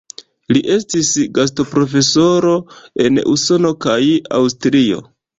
Li estis gastoprofesoro en Usono kaj Aŭstrio.